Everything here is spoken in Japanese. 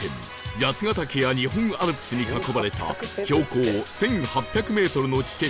八ヶ岳や日本アルプスに囲まれた標高１８００メートルの地点に